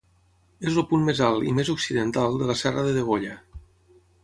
És el punt més alt i més occidental de la Serra de Degolla.